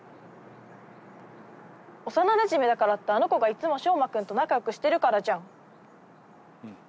幼なじみだからってあの子がいつも翔真君と仲良くしてるからじゃん。